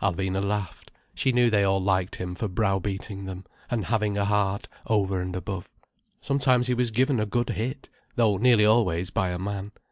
Alvina laughed. She knew they all liked him for browbeating them, and having a heart over and above. Sometimes he was given a good hit—though nearly always by a man.